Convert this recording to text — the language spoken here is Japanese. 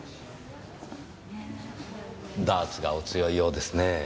ダーツがお強いようですねぇ。